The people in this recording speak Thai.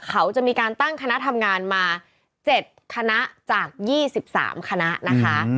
เขาจะมีการตั้งคณะทำงานมา๗คณะจาก๒๓คณะนะคะ